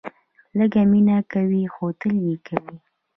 لږ مینه کوئ ، خو تل یې کوئ